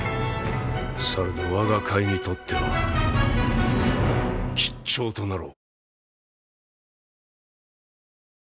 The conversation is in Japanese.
されど我が甲斐にとっては吉兆となろう。